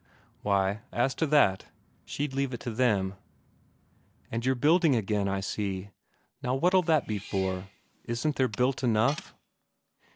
Why, as to that, she'd leave it to them.... "And you're building again, I see. Now what'll that be for? Isn't there built enough?"